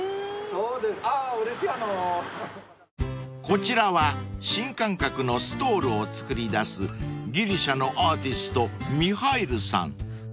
［こちらは新感覚のストールを作り出すギリシャのアーティストミハイルさん］